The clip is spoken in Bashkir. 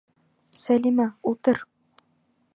Сәлимә, ултыр!